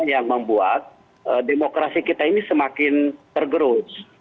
yang membuat demokrasi kita ini semakin tergerus